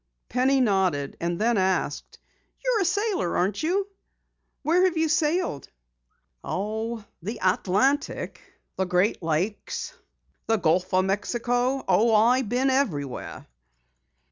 Penny nodded, and then asked: "You're a sailor, aren't you? Where have you sailed?" "The Atlantic, the Great Lakes, the Gulf o' Mexico. Oh, I been everywhere."